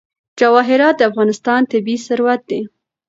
جواهرات د افغانستان طبعي ثروت دی.